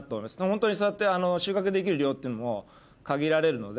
ホントにそうやって収穫できる量っていうのも限られるので。